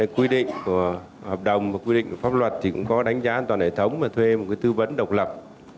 quy định của hợp đồng và quy định của pháp luật thì cũng có đánh giá an toàn hệ thống và thuê một tư vấn độc lập